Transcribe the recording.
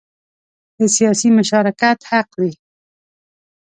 د سیاسي مشارکت حق وي.